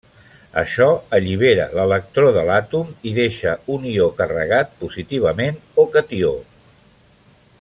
Això allibera l'electró de l'àtom i deixa un ió carregat positivament o catió.